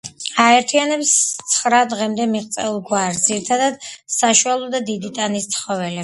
აერთიანებს ცხრა დღემდე მოღწეულ გვარს, ძირითადად საშუალო და დიდი ტანის ცხოველებს.